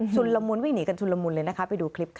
ละมุนวิ่งหนีกันชุนละมุนเลยนะคะไปดูคลิปค่ะ